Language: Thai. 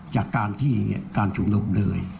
จากการที่การชุมนุมเลย